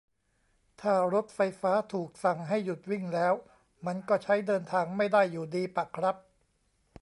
ถ้ารถไฟฟ้าถูกสั่งให้หยุดวิ่งแล้ว มันก็ใช้เดินทางไม่ได้อยู่ดีปะครับ